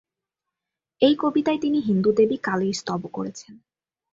এই কবিতায় তিনি হিন্দু দেবী কালীর স্তব করেছেন।